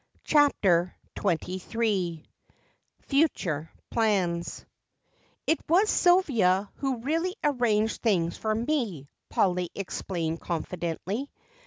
CHAPTER XXIII Future Plans "It was Sylvia who really arranged things for me," Polly explained confidentially.